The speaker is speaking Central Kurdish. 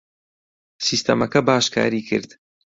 سیستەمەکە باش کاری کرد.